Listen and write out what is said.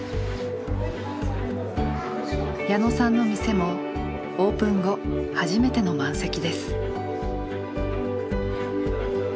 矢野さんの店もオープン後初めての満席です。